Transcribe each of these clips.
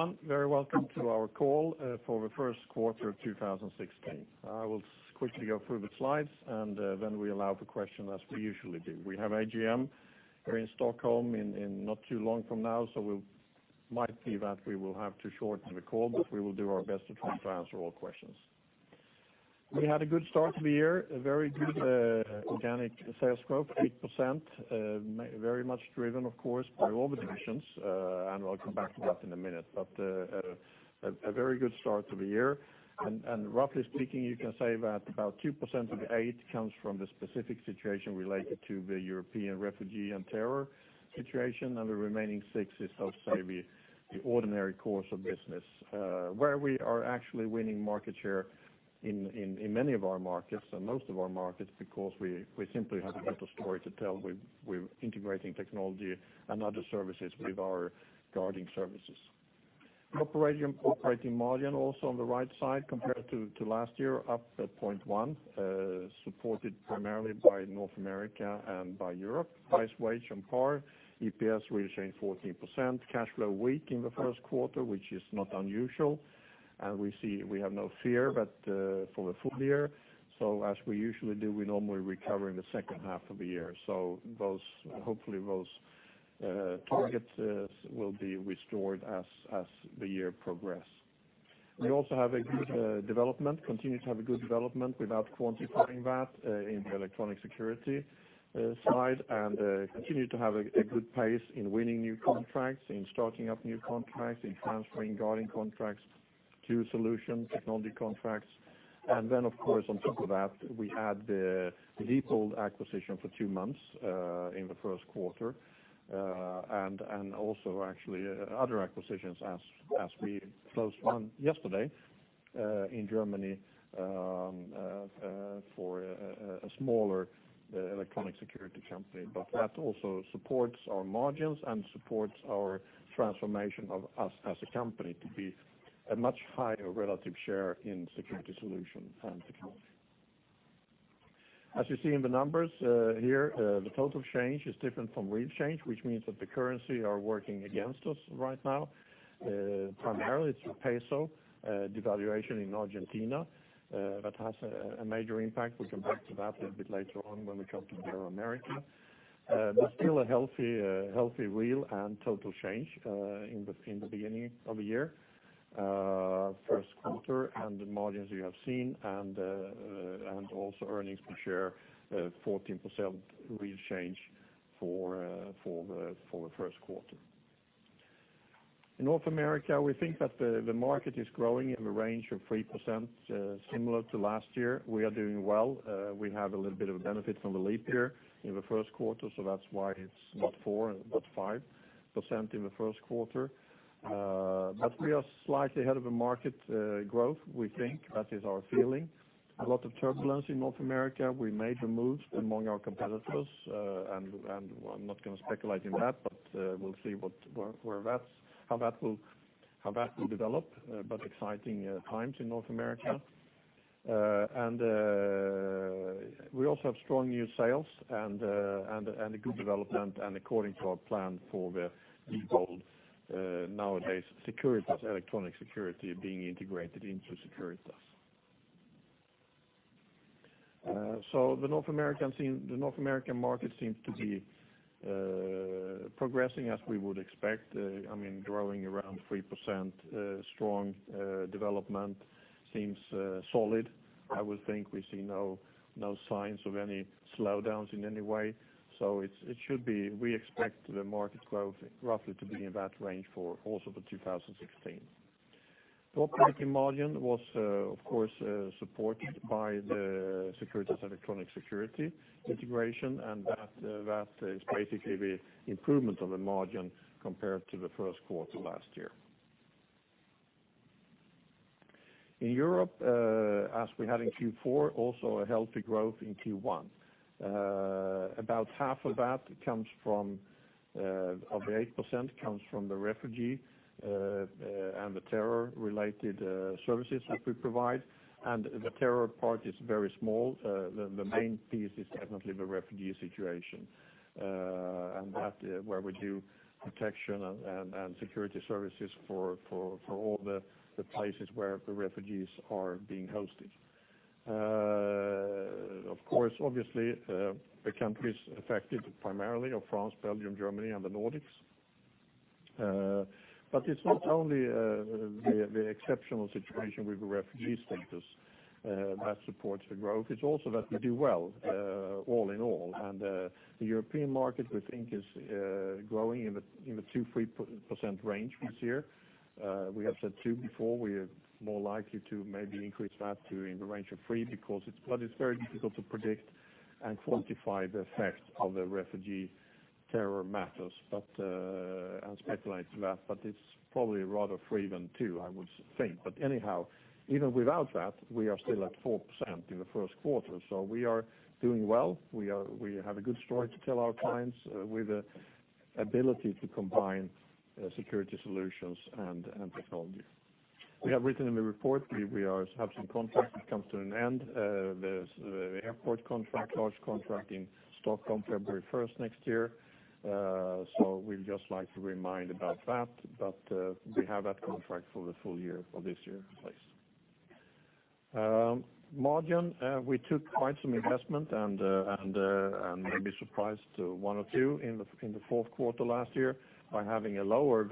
Hello, everyone. Very welcome to our Call for the First Quarter of 2016. I will quickly go through the slides, and then we allow for questions as we usually do. We have AGM here in Stockholm in not too long from now, so we'll might be that we will have to shorten the call, but we will do our best to try to answer all questions. We had a good start to the year, a very good organic sales growth, 8% very much driven, of course, by all the divisions. And I'll come back to that in a minute, but a very good start to the year. Roughly speaking, you can say that about 2% of the 8% comes from the specific situation related to the European refugee and terror situation, and the remaining 6% is, I'll say, the ordinary course of business. Where we are actually winning market share in many of our markets, and most of our markets, because we simply have a better story to tell with integrating technology and other services with our guarding services. Operating margin also on the right side compared to last year, up at point one, supported primarily by North America and by Europe. Price, wage on par. EPS real change 14%. Cash flow weak in the first quarter, which is not unusual, and we see we have no fear for the full year. So as we usually do, we normally recover in the second half of the year. So those, hopefully, targets will be restored as the year progress. We also have a good development, continue to have a good development without quantifying that in the electronic security side, and continue to have a good pace in winning new contracts, in starting up new contracts, in transferring guarding contracts to solution technology contracts. And then, of course, on top of that, we had the Diebold acquisition for two months in the first quarter, and also actually other acquisitions as we closed one yesterday in Germany for a smaller electronic security company. But that also supports our margins and supports our transformation of us as a company to be a much higher relative share in security solution and technology. As you see in the numbers, here, the total change is different from real change, which means that the currency are working against us right now. Primarily it's the peso devaluation in Argentina that has a major impact. We'll come back to that a bit later on when we come to the Americas. But still a healthy real and total change in the beginning of the year, first quarter, and the margins you have seen, and also earnings per share, 14% real change for the first quarter. In North America, we think that the market is growing in the range of 3%, similar to last year. We are doing well. We have a little bit of a benefit from the leap year in the first quarter, so that's why it's not four, but 5% in the first quarter. But we are slightly ahead of the market growth. We think that is our feeling. A lot of turbulence in North America. We made the moves among our competitors, and I'm not gonna speculate on that, but we'll see what, where that's how that will develop, but exciting times in North America. And we also have strong new sales and a good development and according to our plan for the Diebold business, Securitas Electronic Security being integrated into Securitas. So the North American scene, the North American market seems to be progressing as we would expect. I mean, growing around 3%, strong development, seems solid. I would think we see no signs of any slowdowns in any way. So it should be. We expect the market growth roughly to be in that range for also 2016. Operating margin was, of course, supported by the Securitas Electronic Security integration, and that is basically the improvement of the margin compared to the first quarter last year. In Europe, as we had in Q4, also a healthy growth in Q1. About half of that comes from, of the 8%, comes from the refugee, and the terror-related, services that we provide, and the terror part is very small. The main piece is definitely the refugee situation, and that where we do protection and, and, security services for, for, all the, the places where the refugees are being hosted. Of course, obviously, the countries affected primarily are France, Belgium, Germany, and the Nordics. But it's not only, the exceptional situation with the refugee centers, that supports the growth, it's also that we do well, all in all. And, the European market, we think, is, growing in the, in the 2%-3% range this year. We have said 2% before. We are more likely to maybe increase that to in the range of three, because it's but it's very difficult to predict and quantify the effect of the refugee terror matters, but, and speculate to that, but it's probably rather three than two, I would think. But anyhow, even without that, we are still at 4% in the first quarter, so we are doing well. We have a good story to tell our clients with the ability to combine, security solutions and, and technology. We have written in the report, we, we are have some contracts that comes to an end. There's the airport contract, large contract in Stockholm, February first next year. So we'd just like to remind about that, but, we have that contract for the full year, for this year in place. Margin, we took quite some investment and may be surprised to one or two in the fourth quarter last year by having a lower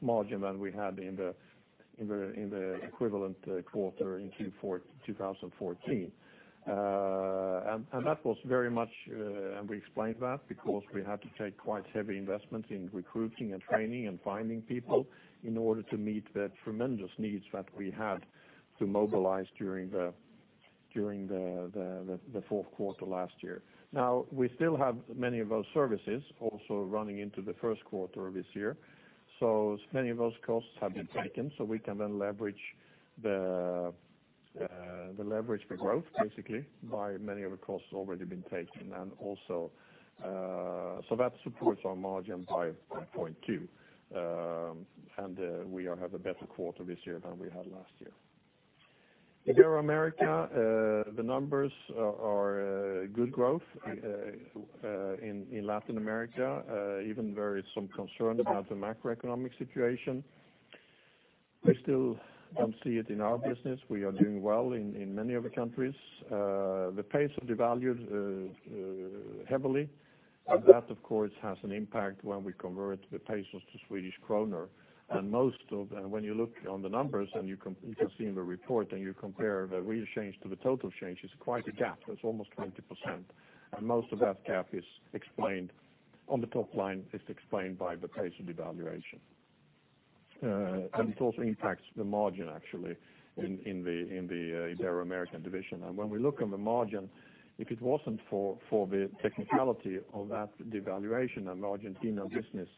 margin than we had in the equivalent quarter in Q4, 2014. That was very much, and we explained that because we had to take quite heavy investments in recruiting and training and finding people, in order to meet the tremendous needs that we had to mobilize during the fourth quarter last year. Now, we still have many of those services also running into the first quarter of this year. So many of those costs have been taken, so we can then leverage the leverage for growth, basically, by many of the costs already been taken. And also, so that supports our margin by 0.2. And we all have a better quarter this year than we had last year. Ibero-America, the numbers are good growth in Latin America, even there is some concern about the macroeconomic situation. We still don't see it in our business. We are doing well in many of the countries. The pace of devaluation heavily, and that, of course, has an impact when we convert the pesos to Swedish kronor. And most, when you look on the numbers, and you can see in the report, and you compare the real change to the total change, it's quite a gap. It's almost 20%, and most of that gap is explained on the top line by the pace of devaluation. It also impacts the margin, actually, in the Ibero-American division. When we look on the margin, if it wasn't for the technicality of that devaluation and Argentine business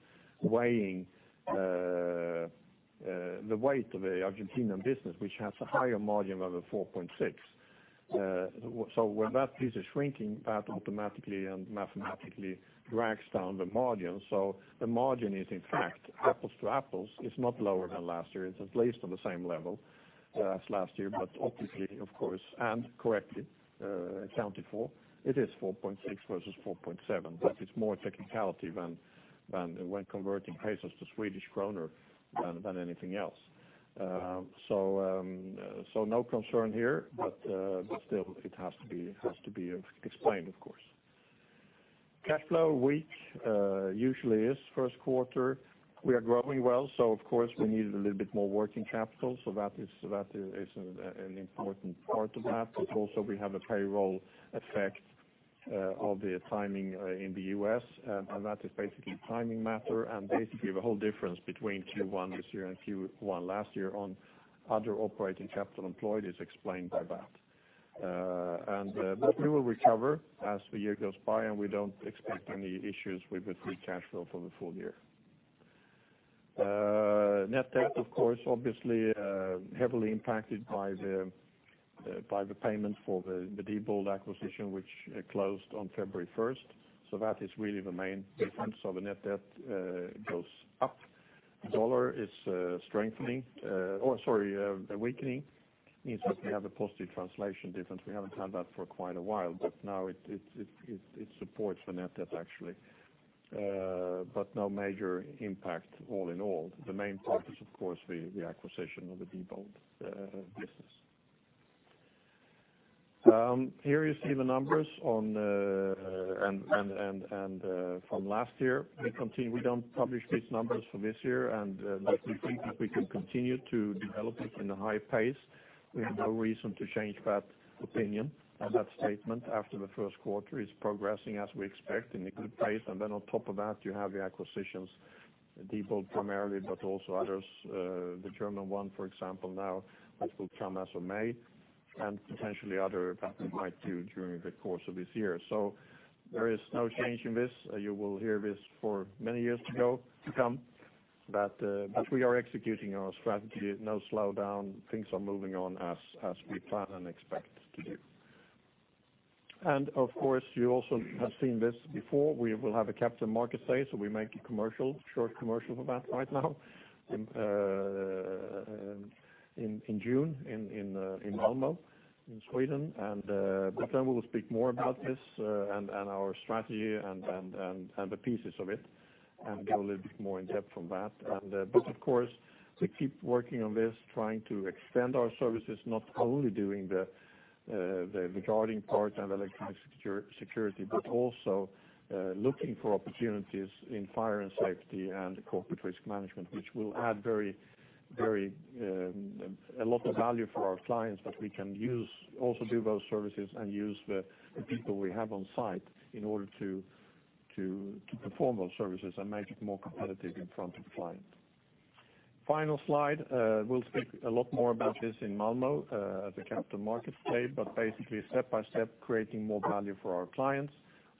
weighing the weight of the Argentine business, which has a higher margin of 4.6. So when that piece is shrinking, that automatically and mathematically drags down the margin, so the margin is, in fact, apples to apples, it's not lower than last year. It's at least on the same level as last year, but optically, of course, and correctly accounted for, it is 4.6 versus 4.7. But it's more technicality than when converting pesos to Swedish kronor than anything else. No concern here, but still it has to be explained, of course. Cash flow weak, usually is first quarter. We are growing well, so of course we needed a little bit more working capital, so that is an important part of that. But also we have a payroll effect of the timing in the U.S., and that is basically timing matter. Basically, the whole difference between Q1 this year and Q1 last year on other operating capital employed is explained by that. But we will recover as the year goes by, and we don't expect any issues with the free cash flow for the full year. Net debt, of course, obviously, heavily impacted by the, by the payment for the, the Diebold acquisition, which, closed on February first. So that is really the main difference of a net debt, goes up. The dollar is, strengthening, or sorry, weakening, means that we have a positive translation difference. We haven't had that for quite a while, but now it supports the net debt, actually. But no major impact all in all. The main part is, of course, the acquisition of the Diebold, business. Here you see the numbers on, from last year, we continue— We don't publish these numbers for this year, and, but we think that we can continue to develop it in a high pace. We have no reason to change that opinion and that statement after the first quarter is progressing as we expect, in a good pace. And then on top of that, you have the acquisitions, Diebold primarily, but also others, the German one, for example, now, that will come as of May, and potentially other that we might do during the course of this year. So there is no change in this. You will hear this for many years to go, to come, but we are executing our strategy, no slowdown. Things are moving on as we plan and expect to do. And of course, you also have seen this before. We will have a Capital Market Day, so we make a commercial, short commercial for that right now, in June, in Malmö, in Sweden. But then we will speak more about this, and our strategy and the pieces of it, and go a little bit more in depth on that. But of course, we keep working on this, trying to extend our services, not only doing the guarding part and Electronic Security, but also looking for opportunities in Fire and Safety and Corporate Risk Management, which will add very, very a lot of value for our clients. But we can also do those services and use the people we have on site in order to perform those services and make it more competitive in front of the client. Final slide. We'll speak a lot more about this in Malmö, at the Capital Market Today, but basically step by step, creating more value for our clients.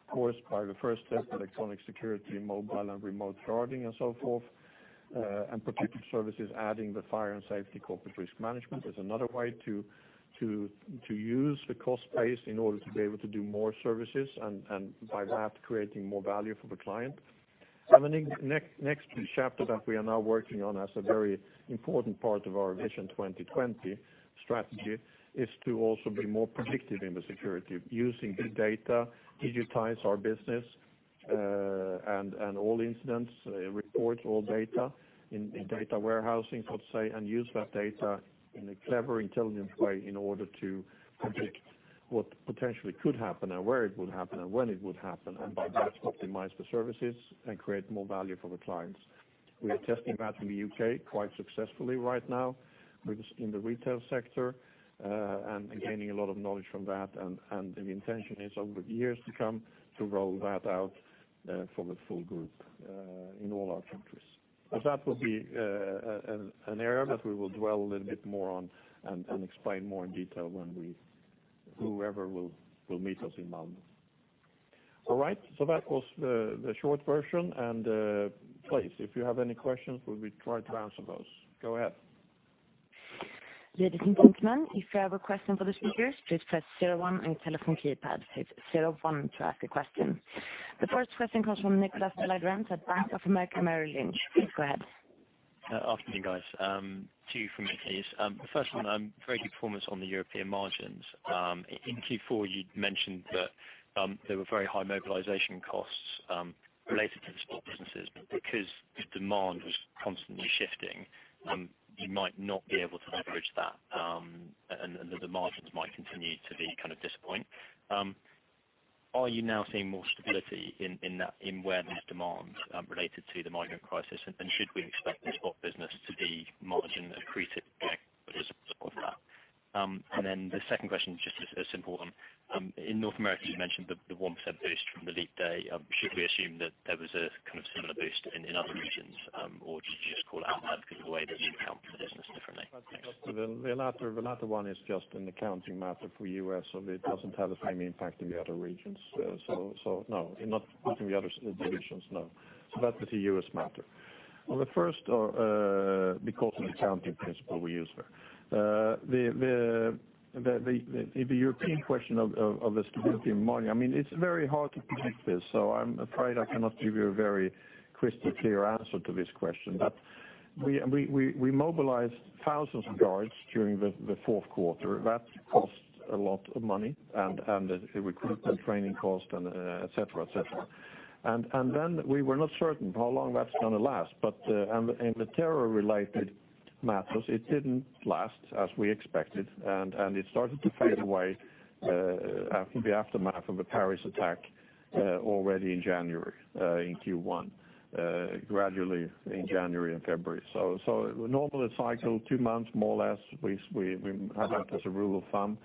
Of course, by the first step, electronic security, mobile and remote guarding, and so forth, and protective services, adding the fire and Safety Corporate Risk Management is another way to use the cost base in order to be able to do more services, and by that, creating more value for the client. The next chapter that we are now working on as a very important part of our Vision 2020 strategy is to also be more predictive in the security. Using big data, digitize our business, and all incidents, report all data in data warehousing, let's say, and use that data in a clever, intelligent way in order to predict what potentially could happen, and where it would happen, and when it would happen, and by that, optimize the services and create more value for the clients. We are testing that in the U.K. quite successfully right now with in the retail sector, and gaining a lot of knowledge from that. The intention is over the years to come, to roll that out for the full group in all our countries. That will be an area that we will dwell a little bit more on, and explain more in detail when whoever will meet us in Malmö. All right, so that was the short version, and please, if you have any questions, we will try to answer those. Go ahead. Ladies and gentlemen, if you have a question for the speakers, please press zero one on your telephone keypad. Hit zero one to ask a question. The first question comes from Niklas de la Grense at Bank of America Merrill Lynch. Please go ahead. Afternoon, guys. Two from me, please. The first one, very good performance on the European margins. In Q4, you'd mentioned that there were very high mobilization costs related to the spot businesses, but because the demand was constantly shifting, you might not be able to leverage that, and that the margins might continue to be kind of disappointing. Are you now seeing more stability in, in that, in where there's demand related to the migrant crisis? And should we expect the spot business to be margin accretive as a result of that? And then the second question, just a simple one. In North America, you mentioned the 1% boost from the leap day. Should we assume that there was a kind of similar boost in other regions, or did you just call out that because of the way that you count the business differently? Thanks. The latter one is just an accounting matter for U.S., so it doesn't have the same impact in the other regions. So no, not in the other divisions, no. So that was a U.S. matter. On the first, because of the accounting principle we use there, the European question of the stability and money, I mean, it's very hard to predict this, so I'm afraid I cannot give you a very crystal clear answer to this question. But we mobilized thousands of guards during the fourth quarter. That cost a lot of money and the recruitment and training cost and, et cetera, et cetera. Then we were not certain how long that's gonna last, but and in the terror-related matters, it didn't last as we expected, and it started to fade away after the aftermath of the Paris attack already in January in Q1 gradually in January and February. Normally the cycle, two months, more or less, we have that as a rule of thumb.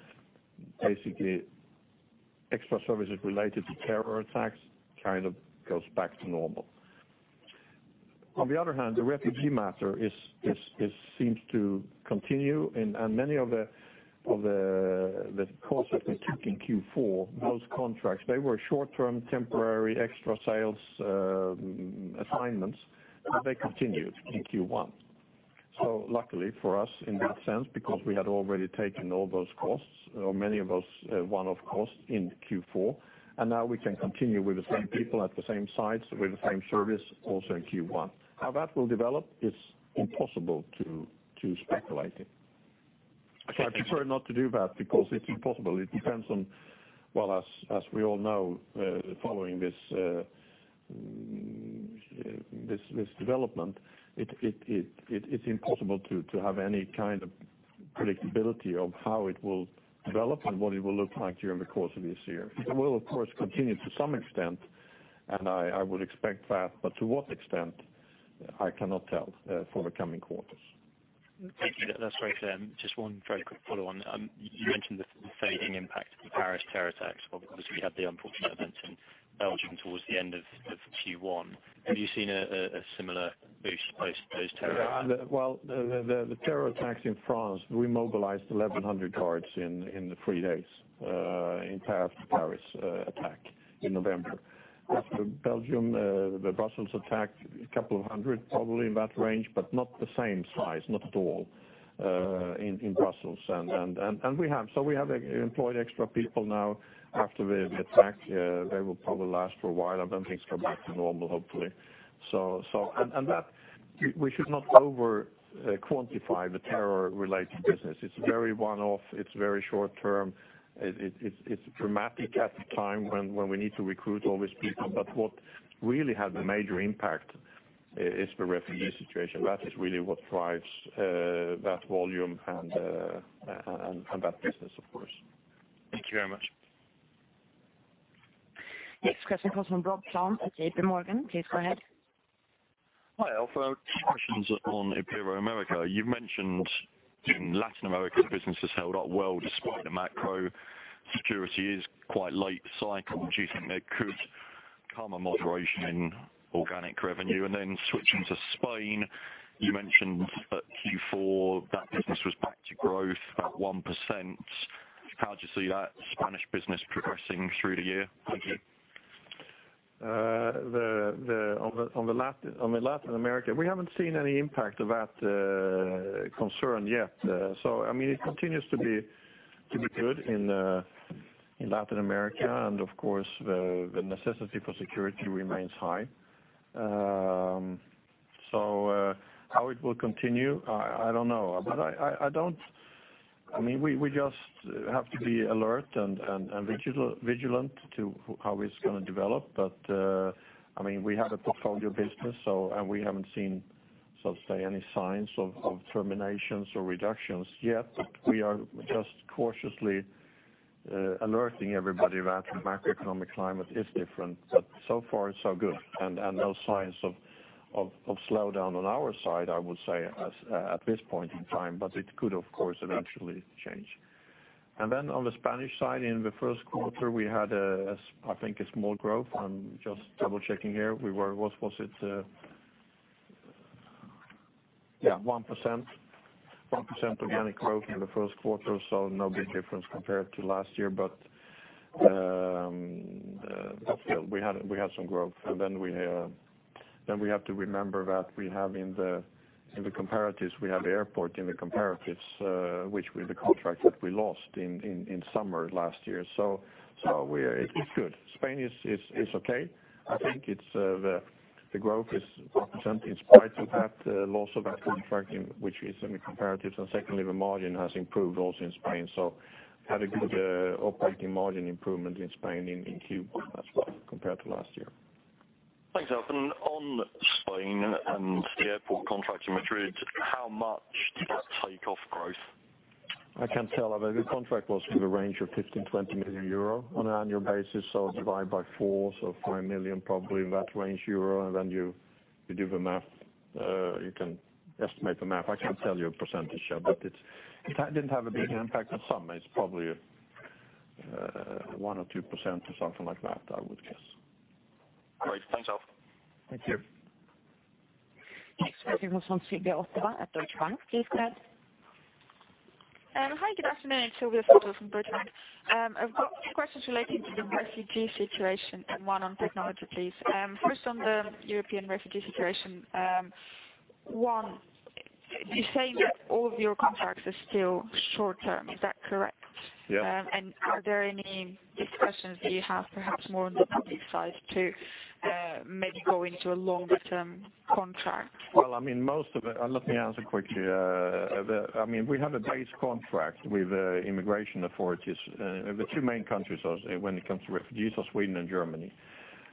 Basically, extra services related to terror attacks kind of goes back to normal. On the other hand, the refugee matter seems to continue, and many of the costs that we took in Q4, those contracts, they were short-term, temporary, extra sales, assignments, but they continued in Q1. So luckily for us, in that sense, because we had already taken all those costs, or many of those, one-off costs in Q4, and now we can continue with the same people at the same sites, with the same service, also in Q1. How that will develop is impossible to speculate it. I prefer not to do that because it's impossible. It depends on, well, as we all know, following this development, it's impossible to have any kind of predictability of how it will develop and what it will look like during the course of this year. It will, of course, continue to some extent, and I would expect that, but to what extent, I cannot tell, for the coming quarters. Thank you. That's very clear. Just one very quick follow-on. You mentioned the fading impact of the Paris terror attacks, but obviously, you had the unfortunate events in Belgium towards the end of Q1. Have you seen a similar boost post those terror attacks? Well, the terror attacks in France, we mobilized 1,100 guards in the three days in Paris, the Paris attack in November. After Belgium, the Brussels attack, a couple of hundred, probably in that range, but not the same size, not at all, in Brussels. So we have employed extra people now after the attack. They will probably last for a while, and then things go back to normal, hopefully. That, we should not over quantify the terror-related business. It's very one-off, it's very short term. It's dramatic at the time when we need to recruit all these people, but what really had the major impact is the refugee situation. That is really what drives that volume and that business, of course. Thank you very much. Next question comes from Robert Plant at JPMorgan. Please go ahead. Hi, Alf. Two questions on Iberoamerica. You've mentioned Latin America business has held up well despite the macro. Security is quite late cycle. Do you think there could come a moderation in organic revenue? And then switching to Spain, you mentioned that Q4, that business was back to growth at 1%. How do you see that Spanish business progressing through the year? Thank you. On the Latin America, we haven't seen any impact of that concern yet. So, I mean, it continues to be good in Latin America, and of course, the necessity for security remains high. So, how it will continue, I don't know. But I mean, we just have to be alert and vigilant to how it's gonna develop, but I mean, we have a portfolio business, so and we haven't seen, so to say, any signs of terminations or reductions yet. But we are just cautiously alerting everybody that the macroeconomic climate is different. But so far, so good, and no signs of slowdown on our side, I would say, at this point in time, but it could, of course, eventually change. And then on the Spanish side, in the first quarter, we had, as I think, a small growth. I'm just double-checking here. We were, what was it? Yeah, 1%. 1% organic growth in the first quarter, so no big difference compared to last year. But still, we had some growth, and then we have to remember that we have in the comparatives, we have airport in the comparatives, which were the contract that we lost in summer last year. So we are. It's good. Spain is okay. I think it's the growth is 1% in spite of that loss of that contract, which is in the comparatives. And secondly, the margin has improved also in Spain, so had a good operating margin improvement in Spain in Q1 as well, compared to last year. Thanks, Alf. On Spain and the airport contract in Madrid, how much did that take off growth? I can't tell, but the contract was for the range of 15-20 million euro on an annual basis, so divide by four, so 5 million, probably in that range, euro. And then you, you do the math. You can estimate the math. I can't tell you a percentage share, but it, it didn't have a big impact on some. It's probably, 1%-2% or something like that, I would guess. Great. Thanks, Alf. Thank you. Next, we have Sylvia Barker at Deutsche Bank. Please go ahead. Hi, good afternoon. Sylvia Barker from Deutsche Bank. I've got two questions relating to the refugee situation and one on technology, please. First, on the European refugee situation, one, you're saying that all of your contracts are still short term. Is that correct? Yeah. Are there any discussions that you have, perhaps more on the public side, to maybe go into a longer-term contract? Well, I mean, most of it... Let me answer quickly. The, I mean, we have a base contract with immigration authorities. The two main countries are, when it comes to refugees, are Sweden and Germany.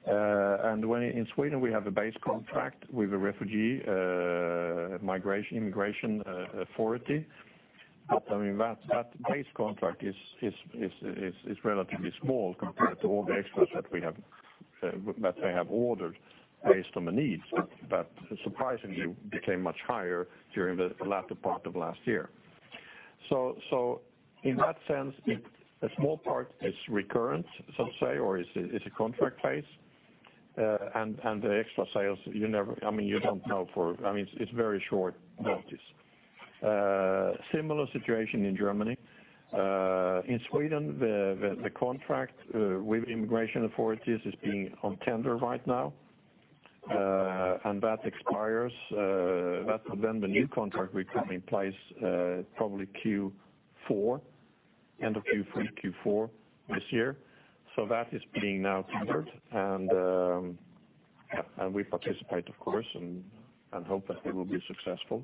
And when in Sweden, we have a base contract with a refugee migration immigration authority. But, I mean, that base contract is relatively small compared to all the extras that we have, that they have ordered based on the needs, but surprisingly became much higher during the latter part of last year. So in that sense, it, a small part is recurrent, so to say, or is a contract base. And the extra sales, you never, I mean, you don't know for, I mean, it's very short notice. Similar situation in Germany. In Sweden, the contract with immigration authorities is being on tender right now, and that expires, that will then the new contract will come in place, probably Q4, end of Q3, Q4 this year. So that is being now tendered, and we participate, of course, and hope that we will be successful.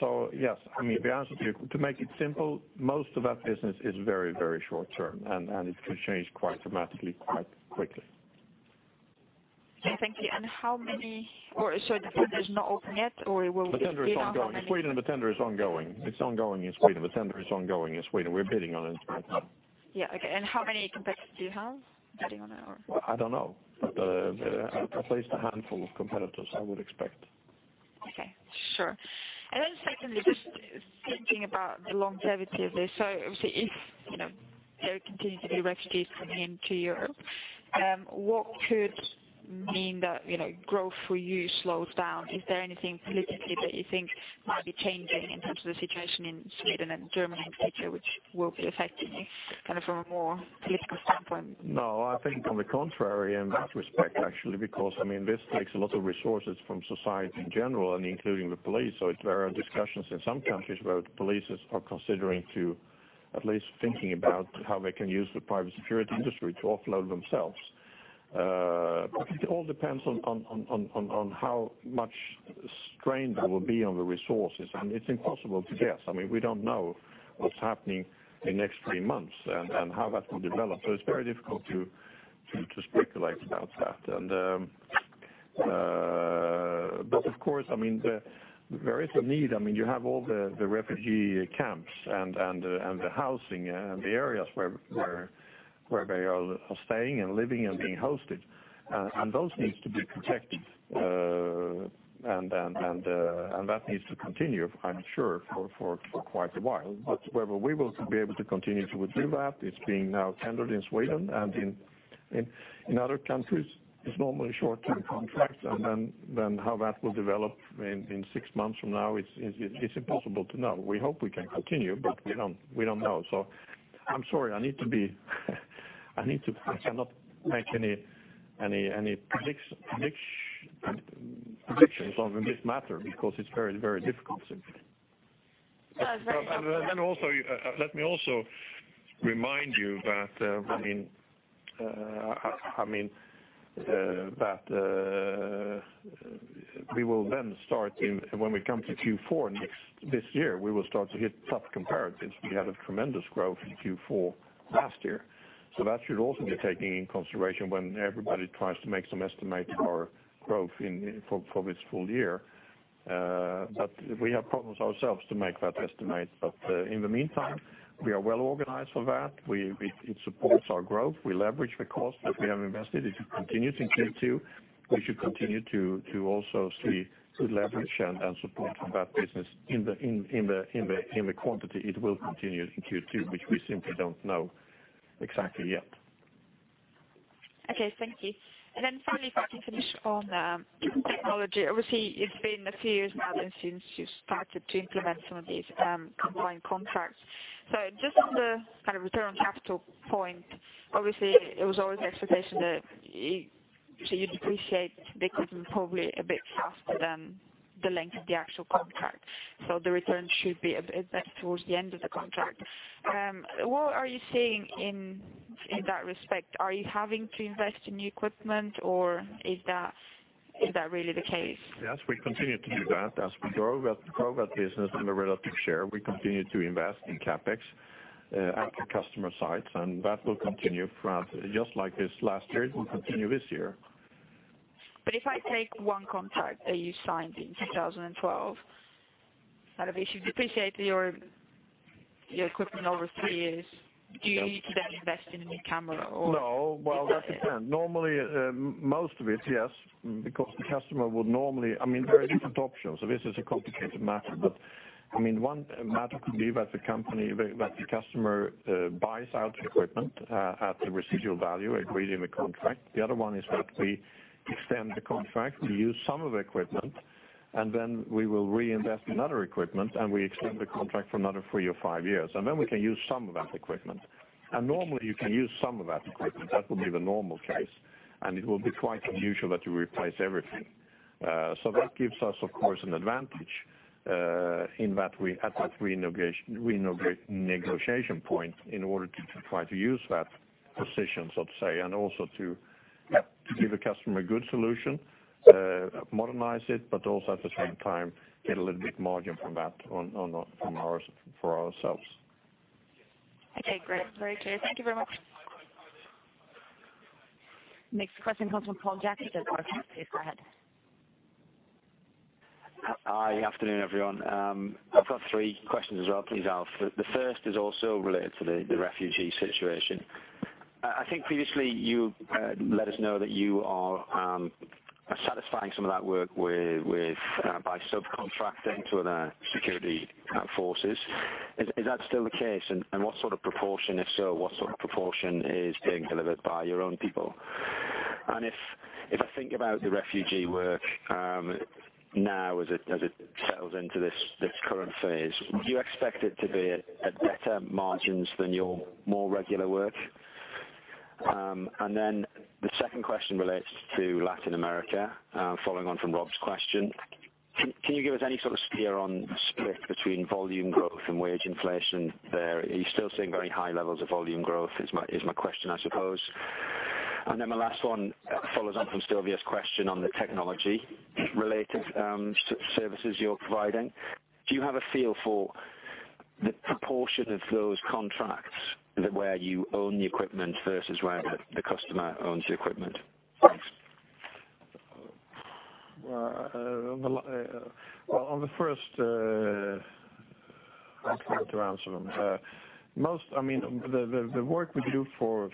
So, yes, I mean, the answer to you, to make it simple, most of that business is very, very short term, and it can change quite dramatically, quite quickly. Okay, thank you. And how many—or sorry, the tender is not open yet, or will we- The tender is ongoing. In Sweden, the tender is ongoing. It's ongoing in Sweden. The tender is ongoing in Sweden. We're bidding on it right now. Yeah, okay. And how many competitors do you have bidding on it or? I don't know, but at least a handful of competitors, I would expect. Okay, sure. And then secondly, just thinking about the longevity of this, so obviously if, you know, there continue to be refugees coming into Europe, what could mean that, you know, growth for you slows down? Is there anything politically that you think might be changing in terms of the situation in Sweden and Germany in the future, which will be affecting you, kind of from a more political standpoint? No, I think on the contrary, in that respect, actually, because, I mean, this takes a lot of resources from society in general, and including the police. So there are discussions in some countries where the police are considering to at least thinking about how they can use the private security industry to offload themselves. But it all depends on how much strain there will be on the resources, and it's impossible to guess. I mean, we don't know what's happening in the next three months and how that will develop, so it's very difficult to speculate about that. But of course, I mean, there is a need. I mean, you have all the refugee camps and the housing and the areas where they are staying and living and being hosted, and those needs to be protected. And that needs to continue, I'm sure, for quite a while. But whether we will be able to continue to do that, it's being now tendered in Sweden and in other countries. It's normally short-term contracts. And then how that will develop in six months from now, it's impossible to know. We hope we can continue, but we don't know. So I'm sorry, I need to perhaps not make any predictions on this matter, because it's very, very difficult simply. Let me also remind you that, I mean, that we will then start in—when we come to Q4 this year—we will start to hit tough comparatives. We had a tremendous growth in Q4 last year, so that should also be taken into consideration when everybody tries to make some estimates for growth for this full year. But we have problems ourselves to make that estimate. But in the meantime, we are well organized for that. It supports our growth. We leverage the cost that we have invested. If it continues in Q2, we should continue to also see good leverage and support from that business in the quantity it will continue in Q2, which we simply don't know exactly yet. Okay, thank you. And then finally, if I can finish on technology. Obviously, it's been a few years now since you started to implement some of these combined contracts. So just on the kind of return on capital point, obviously, it was always the expectation that so you depreciate the equipment probably a bit faster than the length of the actual contract. So the return should be a bit towards the end of the contract. What are you seeing in that respect? Are you having to invest in new equipment, or is that really the case? Yes, we continue to do that. As we grow that, grow that business and the relative share, we continue to invest in CapEx at the customer sites, and that will continue throughout, just like this last year, it will continue this year. But if I take one contract that you signed in 2012, out of issue, depreciate your, your equipment over 3 years, do you need to then invest in a new camera or- No. Well, that depends. Normally, most of it, yes, because the customer would normally... I mean, there are different options. So this is a complicated matter, but, I mean, one matter could be that the company, that, that the customer, buys out the equipment, at the residual value agreed in the contract. The other one is that we extend the contract, we use some of the equipment, and then we will reinvest in other equipment, and we extend the contract for another three or five years. And then we can use some of that equipment. And normally, you can use some of that equipment. That would be the normal case, and it will be quite unusual that you replace everything. So that gives us, of course, an advantage in that we, at that renegotiation point, in order to try to use that position, so to say, and also to give the customer a good solution, modernize it, but also at the same time, get a little bit margin from that on, from our, for ourselves. Okay, great. Very clear. Thank you very much. Next question comes from Paul Jackson at Morgan Stanley. Please go ahead. Hi. Afternoon, everyone. I've got three questions as well, please, Alf. The first is also related to the refugee situation. I think previously you let us know that you are satisfying some of that work by subcontracting to other security forces. Is that still the case? And what sort of proportion, if so, is being delivered by your own people? And if I think about the refugee work, now, as it settles into this current phase, do you expect it to be at better margins than your more regular work? And then the second question relates to Latin America, following on from Rob's question. Can you give us any sort of steer on the split between volume growth and wage inflation there? Are you still seeing very high levels of volume growth, is my, is my question, I suppose. And then my last one follows on from Sylvia's question on the technology-related services you're providing. Do you have a feel for the proportion of those contracts where you own the equipment versus where the customer owns the equipment? Thanks. Well, on the first, I'll try to answer them. Most, I mean, the work we do for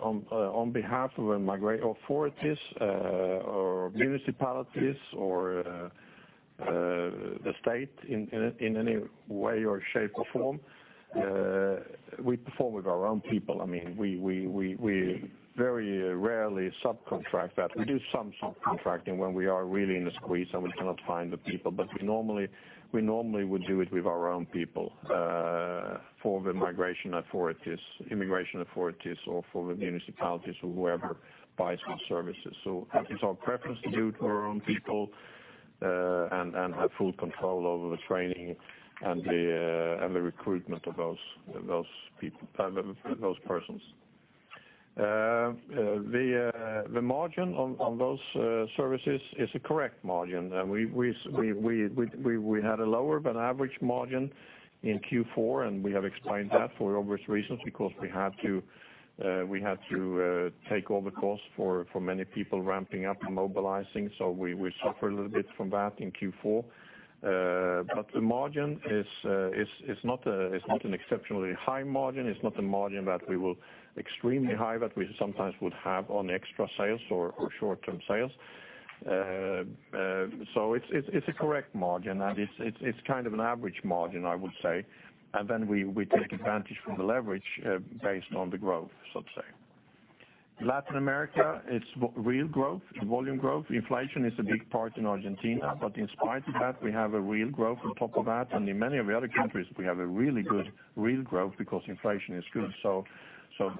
on behalf of the migrant authorities, or municipalities or the state in any way or shape or form, we perform with our own people. I mean, we very rarely subcontract that. We do some subcontracting when we are really in a squeeze and we cannot find the people, but we normally would do it with our own people, for the migration authorities, immigration authorities, or for the municipalities or whoever buys those services. So that is our preference to do it with our own people, and have full control over the training and the recruitment of those people, those persons. The margin on those services is a correct margin, and we had a lower-than-average margin in Q4, and we have explained that for obvious reasons, because we had to take all the cost for many people ramping up and mobilizing. So we suffer a little bit from that in Q4. But the margin is not a, it's not an exceptionally high margin. It's not a margin that we will extremely high, that we sometimes would have on extra sales or short-term sales. So it's a correct margin, and it's kind of an average margin, I would say. And then we take advantage from the leverage based on the growth, so to say. Latin America, it's real growth, volume growth. Inflation is a big part in Argentina, but in spite of that, we have a real growth on top of that, and in many of the other countries, we have a really good real growth because inflation is good. So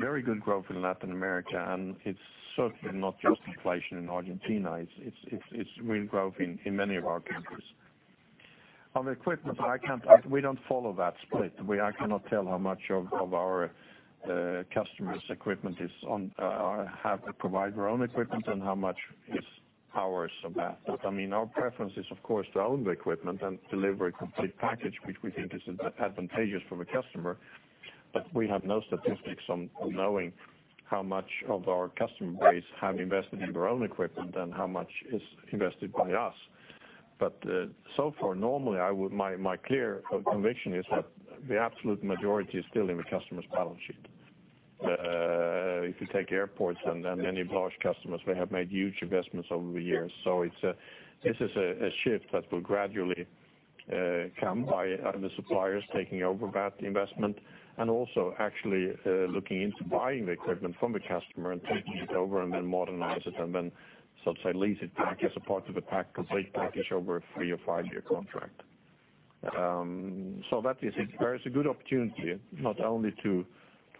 very good growth in Latin America, and it's certainly not just inflation in Argentina. It's real growth in many of our countries. On the equipment, I can't, I, we don't follow that split. I cannot tell how much of our customers' equipment is on or have to provide their own equipment, and how much is ours of that. But, I mean, our preference is, of course, to own the equipment and deliver a complete package, which we think is advantageous for the customer. But we have no statistics on knowing how much of our customer base have invested in their own equipment and how much is invested by us. But so far, normally, I would, my clear conviction is that the absolute majority is still in the customer's balance sheet. If you take airports and many large customers, they have made huge investments over the years, so it's this is a shift that will gradually come by the suppliers taking over that investment, and also actually looking into buying the equipment from the customer and taking it over and then modernize it, and then so to say, lease it back as a part of a pack, complete package over a 3- or 5-year contract. So that is it. There is a good opportunity not only to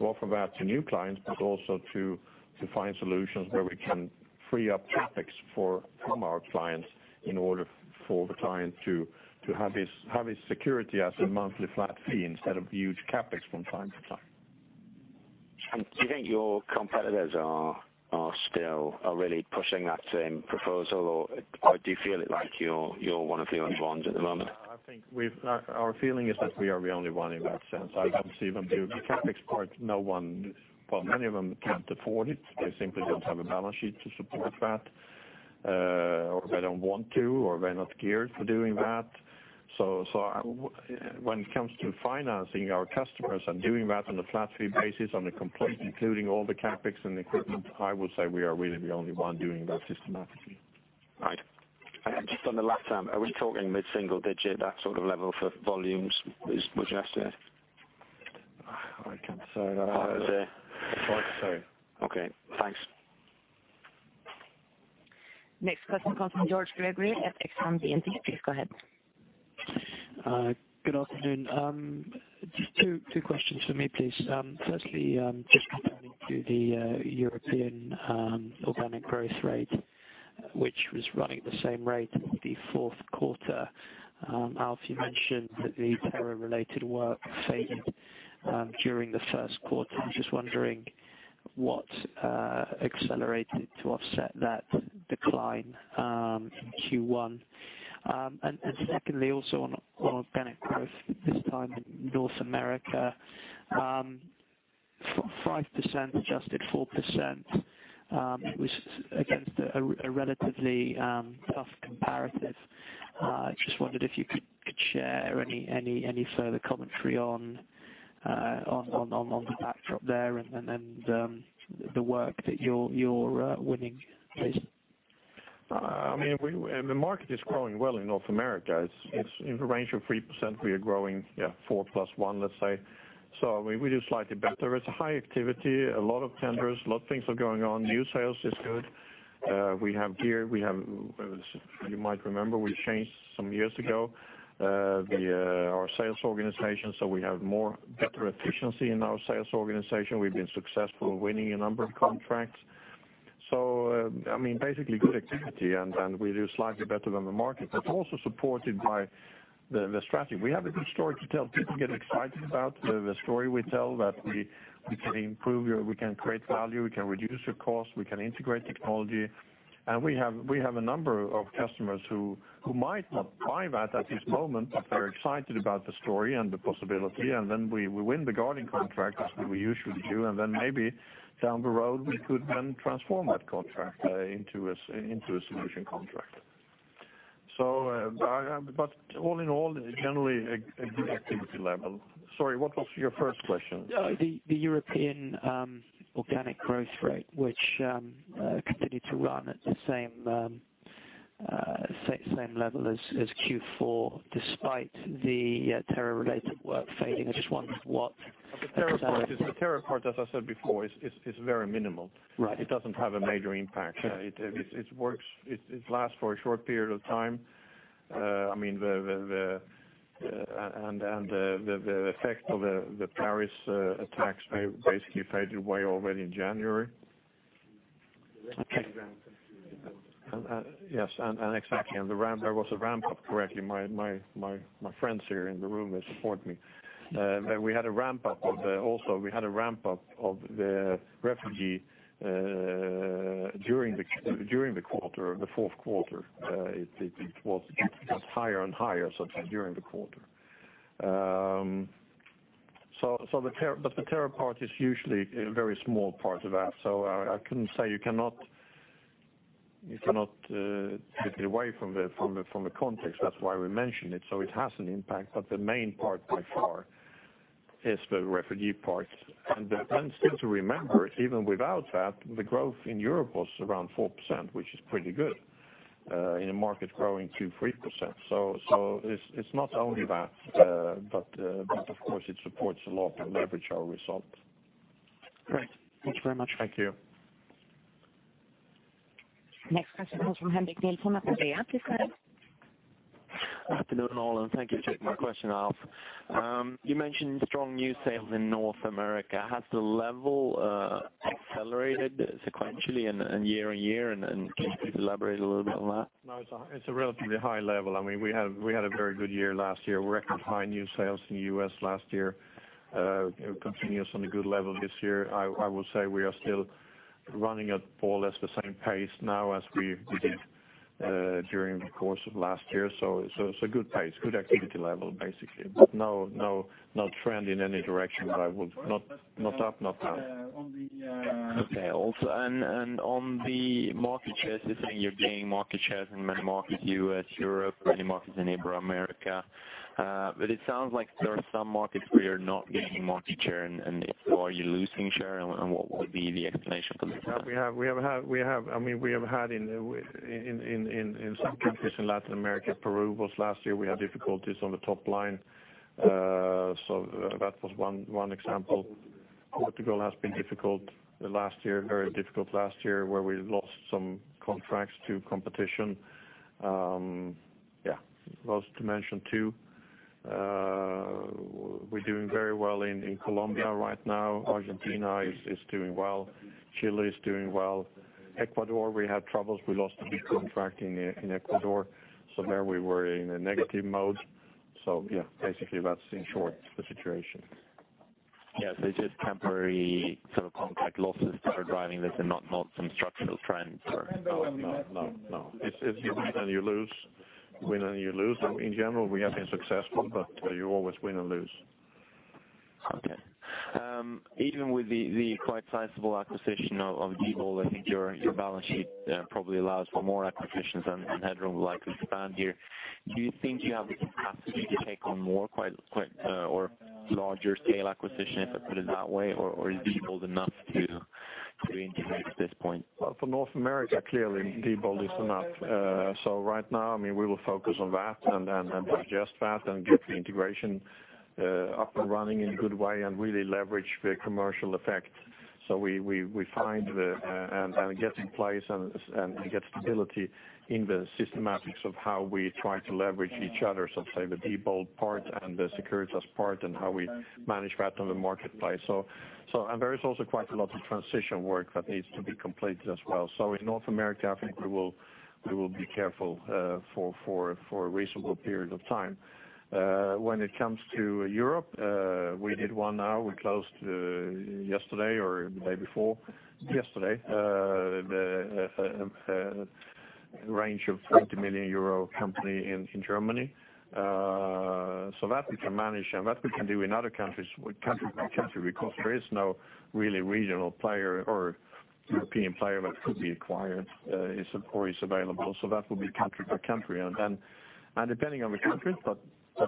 offer that to new clients, but also to find solutions where we can free up CapEx from our clients in order for the client to have his security as a monthly flat fee instead of huge CapEx from time to time. And do you think your competitors are still really pushing that same proposal, or do you feel like you're one of the only ones at the moment? I think we've our feeling is that we are the only one in that sense. I don't see them doing the CapEx part. No one... Well, many of them can't afford it. They simply don't have a balance sheet to support that, or they don't want to, or they're not geared for doing that. So, when it comes to financing our customers and doing that on a flat fee basis, on a complete, including all the CapEx and equipment, I would say we are really the only one doing that systematically. Right. And just on the Latin, are we talking mid-single-digit, that sort of level for volumes, is was yesterday? I can't say. I would say. Sorry. Okay, thanks. Next question comes from George Gregory at Exane BNP. Please go ahead. Good afternoon. Just two questions for me, please. Firstly, just comparing to the European organic growth rate, which was running at the same rate as the fourth quarter. Alf, you mentioned that the terror-related work faded during the first quarter. I'm just wondering what accelerated to offset that decline in Q1? And secondly, also on organic growth, this time in North America, 5%, adjusted 4%, it was against a relatively tough comparative. Just wondered if you could share any further commentary on the backdrop there and the work that you're winning, please. I mean, we, and the market is growing well in North America. It's, it's in the range of 3%. We are growing, yeah, 4% + 1%, let's say. So we, we do slightly better. It's a high activity, a lot of tenders, a lot of things are going on. New sales is good. We have here, we have, you might remember, we changed some years ago, the, our sales organization, so we have more better efficiency in our sales organization. We've been successful winning a number of contracts. So, I mean, basically good activity, and, and we do slightly better than the market, but also supported by the, the strategy. We have a good story to tell. People get excited about the, the story we tell, that we, we can improve your... We can create value, we can reduce your cost, we can integrate technology. And we have a number of customers who might not buy that at this moment, but they're excited about the story and the possibility, and then we win the guarding contract, as we usually do, and then maybe down the road, we could then transform that contract into a solution contract. So, but all in all, generally, a good activity level. Sorry, what was your first question? The European organic growth rate, which continued to run at the same level as Q4, despite the terror-related work fading. I just wondered what- The terror part, as I said before, is very minimal. Right. It doesn't have a major impact. It works, it lasts for a short period of time. I mean, the effect of the Paris attacks basically faded away already in January. The ramp up. Yes, and exactly, and the ramp, there was a ramp up, correctly. My friends here in the room will support me. But we had a ramp up of the, also, we had a ramp up of the refugee during the quarter, the fourth quarter. It was, it got higher and higher, so during the quarter. So, but the terror part is usually a very small part of that, so I couldn't say... You cannot take it away from the context. That's why we mentioned it. So it has an impact, but the main part by far is the refugee part. And then, still to remember, even without that, the growth in Europe was around 4%, which is pretty good. In a market growing 2%-3%. So, it's not only that, but of course, it supports a lot to leverage our result. Great. Thanks very much. Thank you. Next question comes from Henrik Nilsson at Nordea. Please go ahead. Good afternoon, all, and thank you for taking my question, Alf. You mentioned strong new sales in North America. Has the level accelerated sequentially and year on year? And can you elaborate a little bit on that? No, it's a relatively high level. I mean, we had a very good year last year. Record high new sales in the US last year. It continues on a good level this year. I will say we are still running at more or less the same pace now as we did during the course of last year. So it's a good pace, good activity level, basically. But no, no, no trend in any direction that I would... Not up, not down. Also, on the market shares, you're saying you're gaining market shares in many markets, US, Europe, many markets in Ibero-America. But it sounds like there are some markets where you're not gaining market share, and so are you losing share, and what would be the explanation for that? We have had in some countries in Latin America, Peru was last year, we had difficulties on the top line. So that was one example. Portugal has been difficult the last year, very difficult last year, where we lost some contracts to competition. Yeah, those two to mention. We're doing very well in Colombia right now. Argentina is doing well. Chile is doing well. Ecuador, we had troubles. We lost a big contract in Ecuador, so there we were in a negative mode. So yeah, basically, that's in short, the situation. Yes, it's just temporary sort of contract losses that are driving this and not, not some structural trends or? No, no, no. It's, it's you win and you lose, win and you lose. In general, we have been successful, but you always win or lose. Okay. Even with the quite sizable acquisition of Diebold, I think your balance sheet probably allows for more acquisitions and headroom to expand here. Do you think you have the capacity to take on more or larger scale acquisition, if I put it that way, or is Diebold enough to integrate at this point? Well, for North America, clearly, Diebold is enough. So right now, I mean, we will focus on that and digest that, and get the integration up and running in a good way, and really leverage the commercial effect. So we find the and get in place and get stability in the systematics of how we try to leverage each other, so say, the Diebold part and the Securitas part, and how we manage that in the marketplace. So there is also quite a lot of transition work that needs to be completed as well. So in North America, I think we will be careful for a reasonable period of time. When it comes to Europe, we did one now, we closed yesterday or the day before. Yesterday, the range of 40 million euro company in Germany. So that we can manage, and that we can do in other countries, country by country, because there is no really regional player or European player that could be acquired or is available. So that will be country by country. And then, depending on the country, but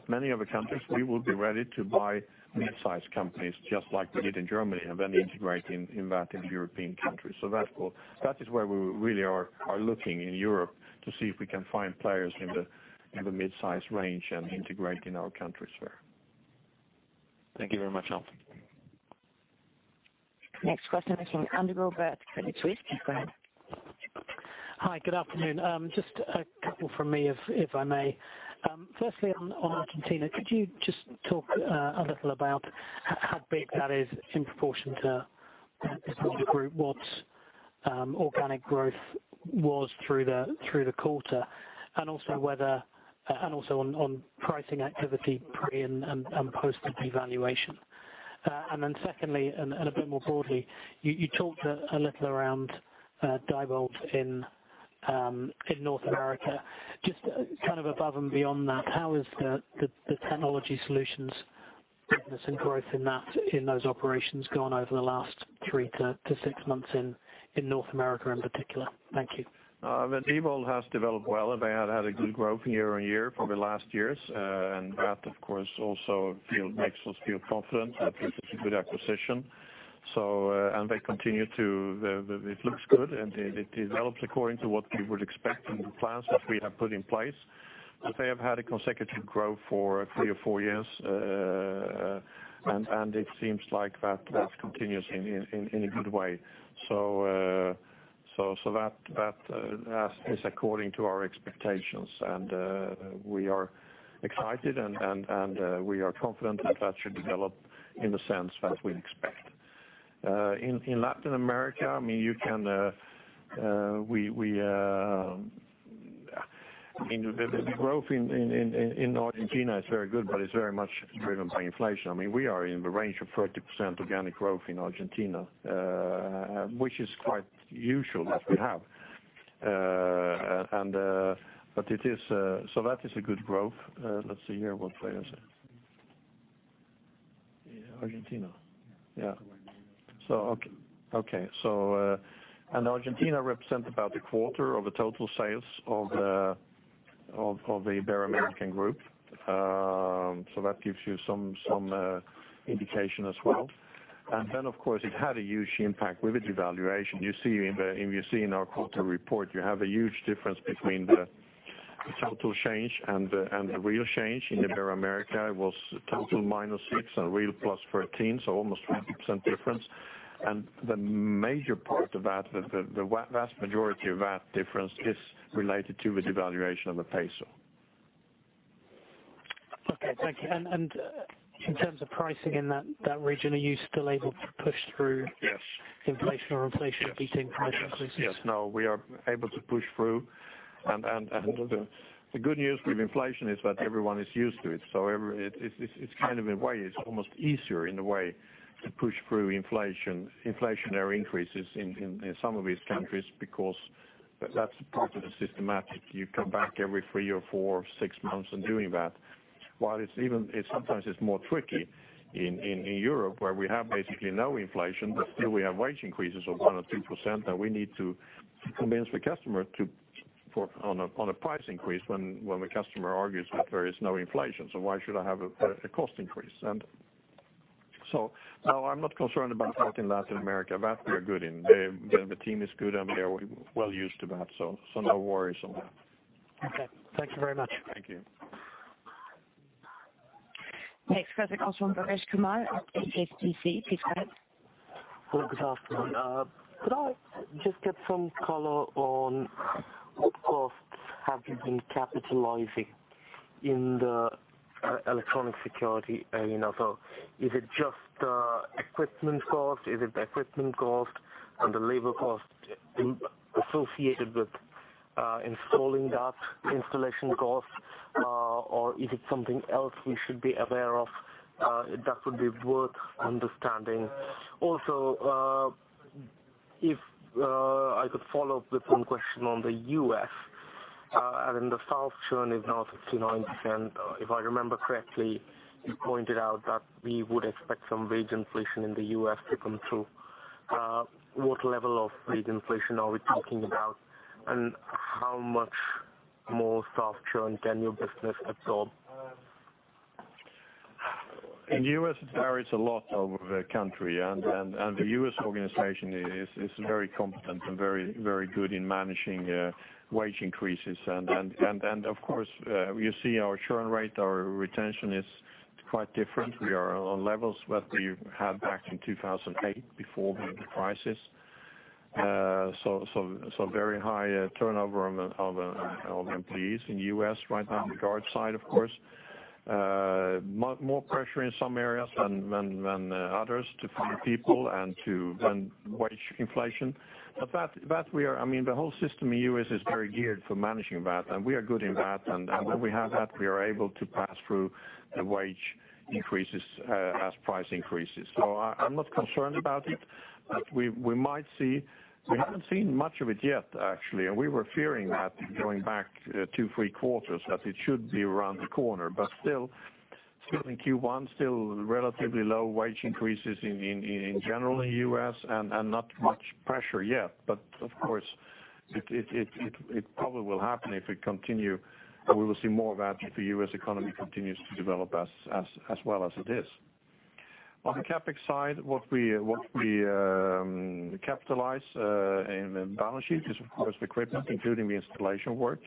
many other countries, we will be ready to buy mid-sized companies, just like we did in Germany, and then integrate in, in that, in European countries. So that is where we really are looking in Europe to see if we can find players in the mid-size range and integrate in our countries there. Thank you very much, Alf. Next question is from Andrew Roberts at Credit Suisse. Please go ahead. Hi, good afternoon. Just a couple from me, if I may. Firstly, on Argentina, could you just talk a little about how big that is in proportion to, as part of the group? What organic growth was through the quarter? And also whether and also on pricing activity pre and post the devaluation. And then secondly, a bit more broadly, you talked a little around Diebold in North America. Just kind of above and beyond that, how is the technology solutions business and growth in that, in those operations gone over the last three to six months in North America in particular? Thank you. Well, Diebold has developed well, and they had a good growth year on year for the last years. And that, of course, also makes us feel confident that it's a good acquisition. So, and they continue to it looks good, and it develops according to what we would expect in the plans that we have put in place. But they have had a consecutive growth for 3 or 4 years, and it seems like that continues in a good way. So that is according to our expectations, and we are excited, and we are confident that that should develop in the sense that we expect. In Latin America, I mean, the growth in Argentina is very good, but it's very much driven by inflation. I mean, we are in the range of 30% organic growth in Argentina, which is quite usual that we have. But it is. So that is a good growth. Let's see here, what players in Argentina? And Argentina represent about a quarter of the total sales of the Ibero-American group. So that gives you some indication as well. And then, of course, it had a huge impact with the devaluation. You see in our quarter report, you have a huge difference between the total change and the real change in Ibero-America. It was total -6 and real +13, so almost 20% difference. The major part of that, the vast majority of that difference is related to the devaluation of the peso. Okay, thank you. And in terms of pricing in that region, are you still able to push through- Yes. Inflation or inflation-beating price increases? Yes. No, we are able to push through. And the good news with inflation is that everyone is used to it, so it's kind of, in a way, almost easier in a way to push through inflationary increases in some of these countries, because that's part of the system. You come back every three or four or six months on doing that. While it sometimes is more tricky in Europe, where we have basically no inflation, but still we have wage increases of 1% or 2%, that we need to convince the customer to for on a price increase when the customer argues that there is no inflation, so why should I have a cost increase? And so no, I'm not concerned about that in Latin America. That we are good in. The team is good, and they are well used to that, so no worries on that. Okay. Thank you very much. Thank you. Next question comes from Rajesh Kumar of HSBC. Please go ahead. Hello, good afternoon. Could I just get some color on what costs have you been capitalizing in the Electronic Security arena? So is it just equipment cost? Is it the equipment cost and the labor cost associated with installing that installation cost? Or is it something else we should be aware of that would be worth understanding? Also, if I could follow up with one question on the U.S. And in the South, churn is now 59%, if I remember correctly, you pointed out that we would expect some wage inflation in the U.S. to come through. What level of wage inflation are we talking about, and how much more staff churn can your business absorb? In U.S., it varies a lot over the country, and the U.S. organization is very competent and very good in managing wage increases. And of course, you see our churn rate, our retention is quite different. We are on levels that we had back in 2008 before the crisis. So very high turnover of employees in U.S. right now on the guard side, of course. More pressure in some areas than others to find people and to run wage inflation. But that, I mean, the whole system in U.S. is very geared for managing that, and we are good in that. And when we have that, we are able to pass through the wage increases as price increases. So I'm not concerned about it, but we might see... We haven't seen much of it yet, actually. And we were fearing that going back 2, 3 quarters, that it should be around the corner. But still, still in Q1, still relatively low wage increases in general in U.S. and not much pressure yet. But, of course, it probably will happen if we continue, but we will see more of that if the U.S. economy continues to develop as well as it is. On the CapEx side, what we capitalize in the balance sheet is, of course, the equipment, including the installation work.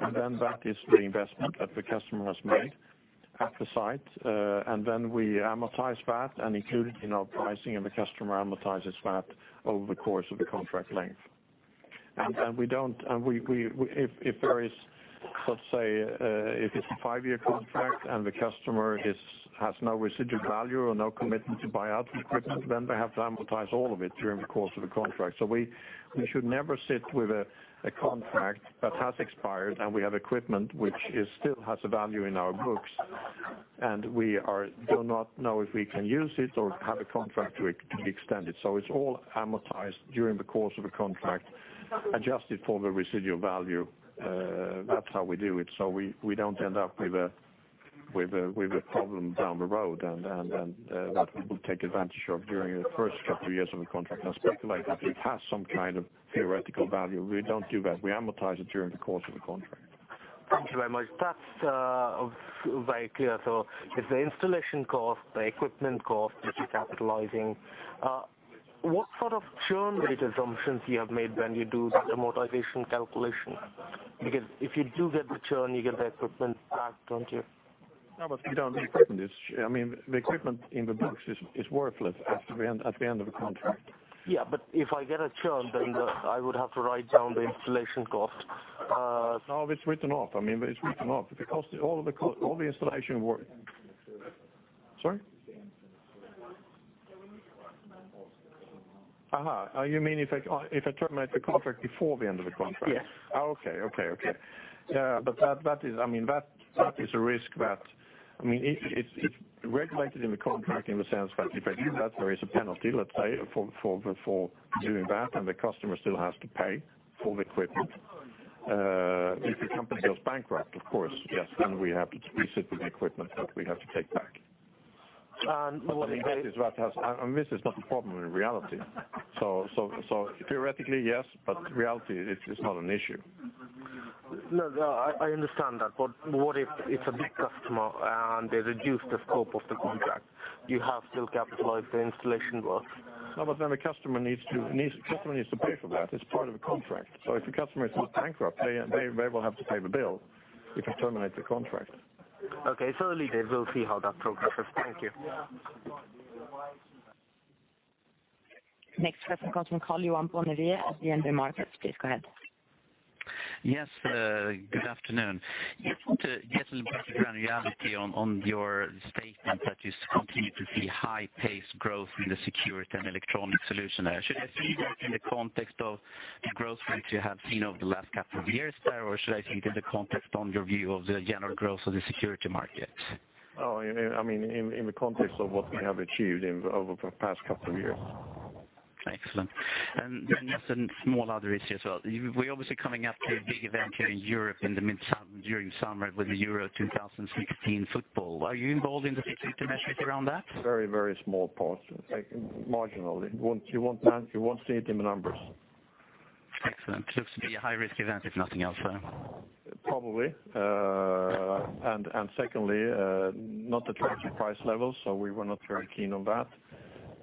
And then that is the investment that the customer has made at the site. And then we amortize that and include it in our pricing, and the customer amortizes that over the course of the contract length. And we don't if there is, let's say, if it's a 5-year contract and the customer has no residual value or no commitment to buy out the equipment, then they have to amortize all of it during the course of the contract. So we should never sit with a contract that has expired, and we have equipment which still has a value in our books, and we do not know if we can use it or have a contract to extend it. So it's all amortized during the course of a contract, adjusted for the residual value. That's how we do it. So we don't end up with a problem down the road that we take advantage of during the first couple of years of the contract and speculate that it has some kind of theoretical value. We don't do that. We amortize it during the course of the contract. Thank you very much. That's very clear. So it's the installation cost, the equipment cost that you're capitalizing. What sort of churn rate assumptions you have made when you do the amortization calculation? Because if you do get the churn, you get the equipment back, don't you? No, but you don't. The equipment is, I mean, the equipment in the books is, is worthless at the end, at the end of the contract. Yeah, but if I get a churn, then I would have to write down the installation cost. No, it's written off. I mean, it's written off. Because all the installation work - Sorry? Aha. You mean if I, if I terminate the contract before the end of the contract? Yes. Okay. Okay, okay. Yeah, but that is... I mean, that is a risk that... I mean, it's regulated in the contract in the sense that if I do that, there is a penalty, let's say, for doing that, and the customer still has to pay for the equipment. If the company goes bankrupt, of course, yes, then we have to sit with the equipment that we have to take back... Well, this is what has, and this is not a problem in reality. So theoretically, yes, but in reality, it's not an issue. No, no, I understand that, but what if it's a big customer, and they reduce the scope of the contract? You have to capitalize the installation work. No, but then the customer needs to pay for that. It's part of the contract. So if the customer is not bankrupt, they will have to pay the bill. We can terminate the contract. Okay, so at least we'll see how that progresses. Thank you. Next question comes from Karl-Johan Bonnevier at DNB Markets. Please go ahead. Yes, good afternoon. I just want to get a little bit of granularity on your statement that you continue to see high-paced growth in the security and electronic solution. Should I see that in the context of the growth which you have seen over the last couple of years there, or should I think in the context of your view of the general growth of the security market? Oh, I mean, in the context of what we have achieved over the past couple of years. Excellent. Just a small other issue as well. We're obviously coming up to a big event here in Europe during summer with the Euro 2016 football. Are you involved in the security measures around that? Very, very small part. Marginally. You won't see it in the numbers. Excellent. Seems to be a high-risk event, if nothing else, so. Probably. And secondly, not attractive price levels, so we were not very keen on that.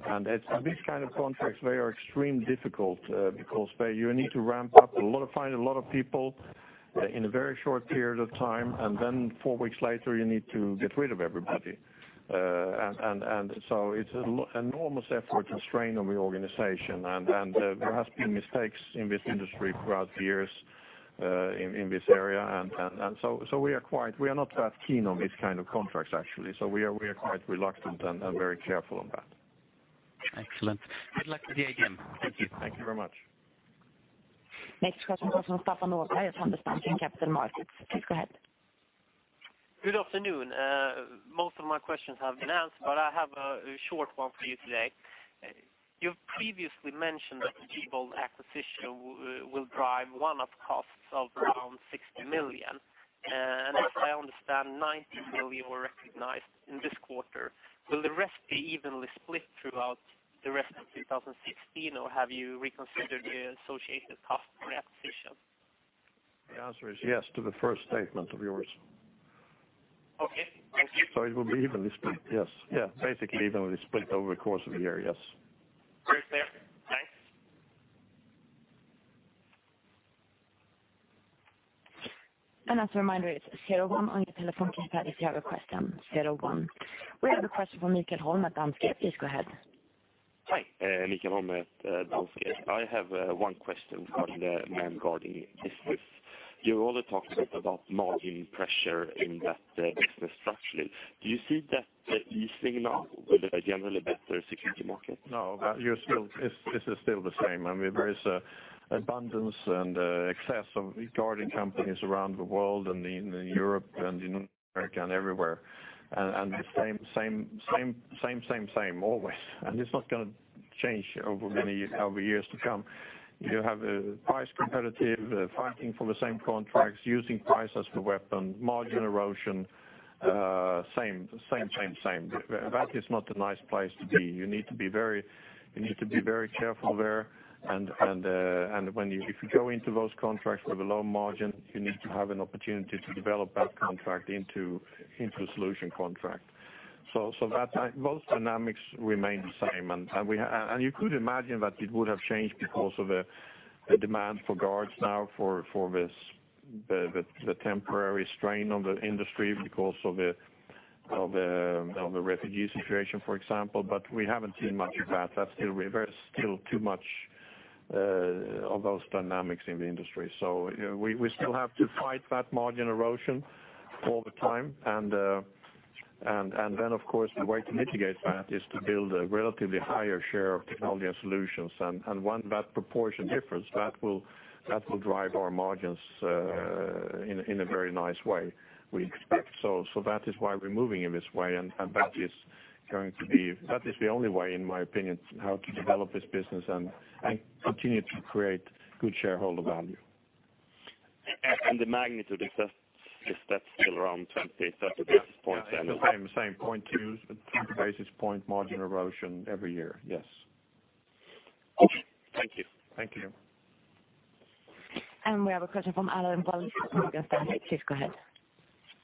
And it's these kind of contracts, they are extremely difficult, because you need to ramp up, find a lot of people in a very short period of time, and then four weeks later, you need to get rid of everybody. So it's an enormous effort and strain on the organization, and there has been mistakes in this industry throughout the years, in this area. So we are not that keen on these kind of contracts, actually, so we are quite reluctant and very careful on that. Excellent. Good luck with the AGM. Thank you. Thank you very much. Next question comes from Stefan Knutsson at Handelsbanken Capital Markets. Please go ahead. Good afternoon. Most of my questions have been asked, but I have a short one for you today. You've previously mentioned that the Diebold acquisition will drive one-off costs of around 60 million, and as I understand, 90 million were recognized in this quarter. Will the rest be evenly split throughout the rest of 2016, or have you reconsidered the associated cost of the acquisition? The answer is yes to the first statement of yours. Okay, thank you. It will be evenly split, yes. Yeah, basically evenly split over the course of the year, yes. Very clear. Thanks. As a reminder, it's zero one on your telephone keypad if you have a question, zero one. We have a question from Michael Holm at Danske. Please go ahead. Hi, Michael Holm at Danske. I have one question on the manned guarding business. You only talked about margin pressure in that business structure. Do you see that easing now with a generally better security market? No, but you're still... This is still the same. I mean, there is an abundance and excess of guarding companies around the world and in Europe and in America and everywhere, and the same, same, same, same, same, same, always. And it's not gonna change over many years, over years to come. You have a price competitive fighting for the same contracts, using price as the weapon, margin erosion, same, same, same. That is not a nice place to be. You need to be very careful there. And if you go into those contracts with a low margin, you need to have an opportunity to develop that contract into a solution contract. So that those dynamics remain the same. And we... And you could imagine that it would have changed because of the demand for guards now for this temporary strain on the industry because of the refugee situation, for example, but we haven't seen much of that. That's still very still too much of those dynamics in the industry. So we still have to fight that margin erosion all the time. And then, of course, the way to mitigate that is to build a relatively higher share of technology and solutions. And when that proportion differs, that will drive our margins in a very nice way, we expect so. So that is why we're moving in this way, and that is going to be, that is the only way, in my opinion, how to develop this business and continue to create good shareholder value. The magnitude of that, is that still around 20 basis points then? Yeah, the same, same 0.2 basis point margin erosion every year. Yes. Okay. Thank you. Thank you. We have a question from Allen Wells at Morgan Stanley. Please go ahead.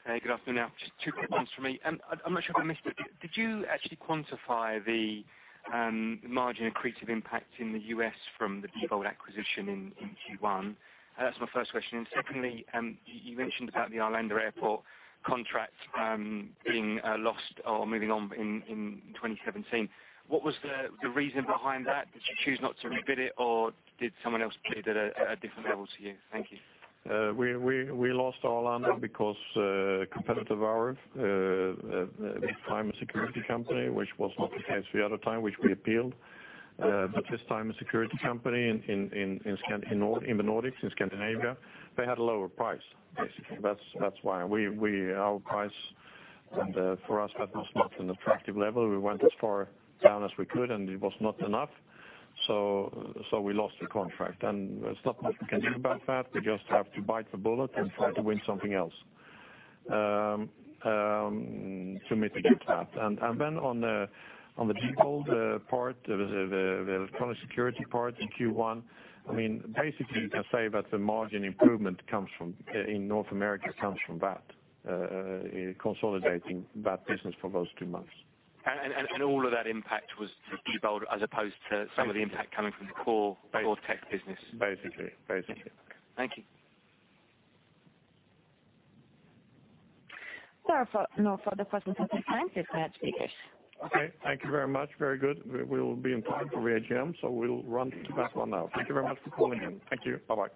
Hey, good afternoon. Just two quick ones from me, and I'm not sure if I missed it. Did you actually quantify the margin accretive impact in the U.S. from the Diebold acquisition in Q1? That's my first question. And secondly, you mentioned about the Arlanda Airport contract being lost or moving on in 2017. What was the reason behind that? Did you choose not to rebid it, or did someone else bid it at a different level to you? Thank you. We lost Arlanda because a competitor of ours, this time a security company, which was not the case the other time, which we appealed, but this time a security company in the Nordics, in Scandinavia, they had a lower price, basically. That's why. Our price, for us, that was not an attractive level. We went as far down as we could, and it was not enough, so we lost the contract, and there's not much we can do about that. We just have to bite the bullet and try to win something else to mitigate that. Then on the Diebold part, the electronic security part in Q1, I mean, basically, you can say that the margin improvement comes from in North America, comes from that consolidating that business for those two months. And all of that impact was Diebold, as opposed to some of the impact coming from the core or tech business? Basically, basically. Thank you. There are no further questions at this time. If I speak it. Okay, thank you very much. Very good. We will be in time for the AGM, so we'll run to that one now. Thank you very much for calling in. Thank you. Bye-bye.